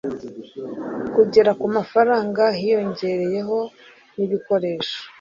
kugera ku mafaranga hiyongereyeho nibikoresho.